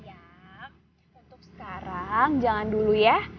ya untuk sekarang jangan dulu ya